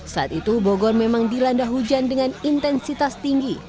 saat itu bogor memang dilanda hujan dengan intensitas tinggi